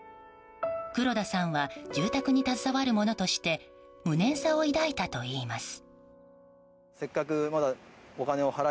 黒田さんは住宅に携わる者として無念さを抱いたといいます。